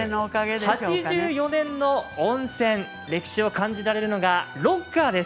８４年の温泉、歴史を感じられるのがロッカーです。